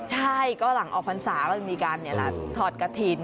ใช่ก็หลังออกฟันศาสตร์ก็มีการถอดกระทิน